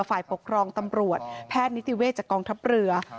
ฝ่ายปกครองตำรวจแพทย์นิติเวศจากกองทัพเรือ